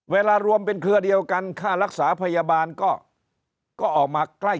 รวมเป็นเครือเดียวกันค่ารักษาพยาบาลก็ออกมาใกล้